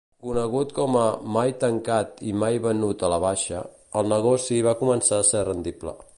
Conegut com a "mai tancat i mai venut a la baixa", el negoci va començar a ser rendible.